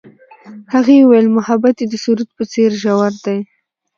هغې وویل محبت یې د سرود په څېر ژور دی.